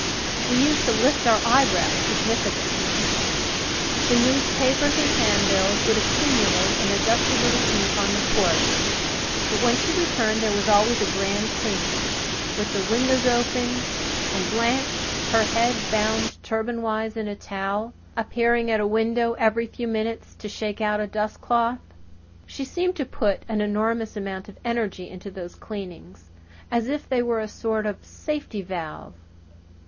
We used to lift our eyebrows significantly. The newspapers and handbills would accumulate in a dusty little heap on the porch; but when she returned there was always a grand cleaning, with the windows open, and Blanche her head bound turbanwise in a towel appearing at a window every few minutes to shake out a dustcloth. She seemed to put an enormous amount of energy into those cleanings as if they were a sort of safety valve.